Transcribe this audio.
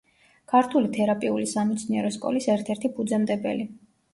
ქართული თერაპიული სამეცნიერო სკოლის ერთ-ერთი ფუძემდებელი.